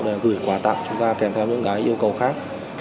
để gửi quà tặng chúng ta kèm theo những cái yêu cầu khác